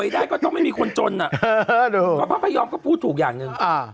ถ้าพ่อจะยอมก็พูดถูกอย่างหนึ่ง